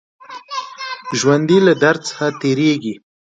ژوندي له درد څخه تېرېږي